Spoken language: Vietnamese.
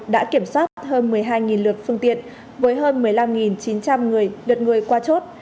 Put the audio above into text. đã kiểm soát hơn một mươi hai lượt phương tiện với hơn một mươi năm chín trăm linh người lượt người qua chốt